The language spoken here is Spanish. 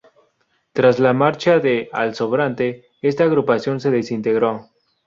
Tras la marcha de Al Sobrante, esta agrupación se desintegró.